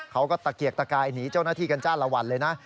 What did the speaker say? ตะเกียกตะกายหนีเจ้าหน้าที่กันจ้าละวันเลยนะ